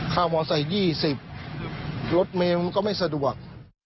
ข้ามอสไตล์๒๐รถเมย์มันก็ไม่สะดวก